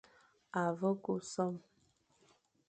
A vagha ku som,